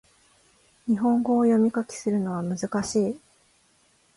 日本語を読み書きするのは難しい